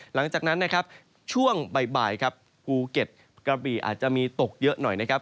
หลังจากนั้นนะครับช่วงบ่ายครับภูเก็ตกระบี่อาจจะมีตกเยอะหน่อยนะครับ